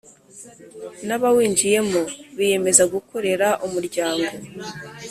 N’abawinjiyemo biyemeza gukorera umuryango.